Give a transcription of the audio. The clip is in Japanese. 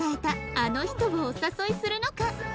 あの人をお誘いするのか？